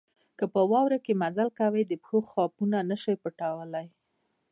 که په واوره کې مزل کوئ د پښو خاپونه نه شئ پټولای.